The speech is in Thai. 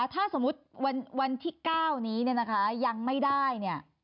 ถ้าสมมุติวันที่๙นี้ยังไม่ได้